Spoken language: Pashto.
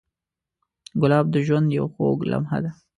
ګلاب د ژوند یو خوږ لمحه ده.